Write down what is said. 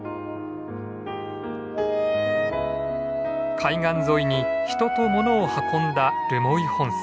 海岸沿いに人と物を運んだ留萌本線。